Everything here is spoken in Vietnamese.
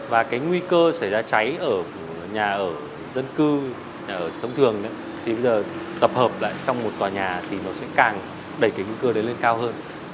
và cái nguy cơ xảy ra cháy ở nhà ở dân cư nhà ở thông thường thì bây giờ tập hợp lại trong một tòa nhà thì nó sẽ càng đẩy cái nguy cơ đấy lên cao hơn